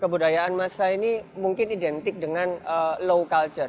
kebudayaan massa ini mungkin identik dengan low culture